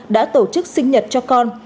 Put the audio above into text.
đã tổ chức sinh nhật cho con